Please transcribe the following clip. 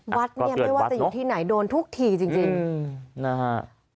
วัดเนี่ยไม่ว่าจะอยู่ที่ไหนโดนทุกทีจริงนะฮะ